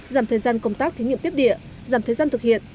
giảm thời gian công tác thí nghiệm tiếp địa giảm thời gian thực hiện